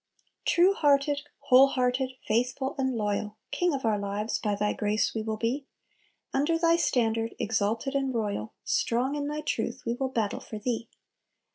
"True hearted, whole hearted, faithful, and loyal, King of our lives, by Thy grace we will be; Under Thy standard, exalted and royal, Strong in Thy strength, we will battle for Thee.